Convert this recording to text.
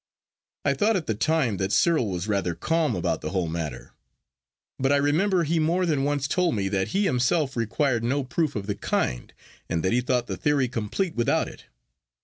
I thought at the time that Cyril was rather calm about the whole matter; but I remember he more than once told me that he himself required no proof of the kind, and that he thought the theory complete without it.